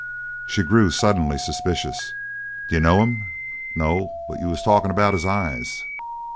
She grew suddenly suspicious. "D' you know him?" "No. But you was talkin' about his eyes?"